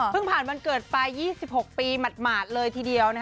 ผ่านวันเกิดไป๒๖ปีหมาดเลยทีเดียว